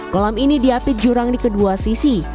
kolam ini diapit jurang di kedua sisi